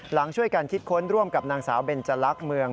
ช่วยกันคิดค้นร่วมกับนางสาวเบนจรักษ์เมือง